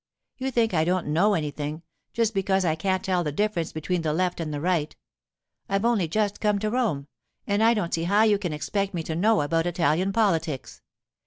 You think I don't know anything, just because I can't tell the difference between the Left and the Right. I've only just come to Rome, and I don't see how you can expect me to know about Italian politics.